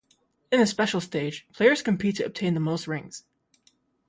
In the Special Stage, players compete to obtain the most rings.